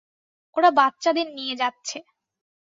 ওরা বাচ্চাদের নিয়ে যাচ্ছে!